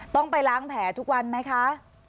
ต้องไปล้างแผลทุกวันไหมคะ